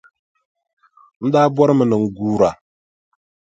N daa bɔrimi ni n guura.